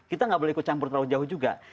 kita nggak boleh ikut campur terlalu jauh juga